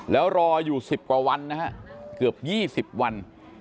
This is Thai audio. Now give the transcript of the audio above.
แล้วรออยู่สิบกว่าวันนะครับเกือบยี่สิบวัน